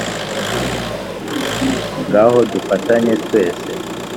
ngaho dufatanye twese